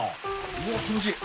うわっ気持ちいい。